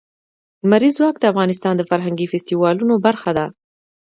لمریز ځواک د افغانستان د فرهنګي فستیوالونو برخه ده.